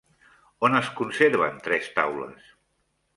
On es conserven tres taules?